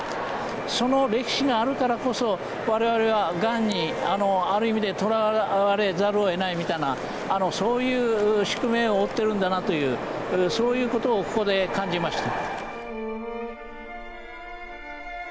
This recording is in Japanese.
その歴史があるからこそ我々はがんにある意味でとらわれざるをえないみたいなそういう宿命を負っているんだなというそういうことをここで感じました。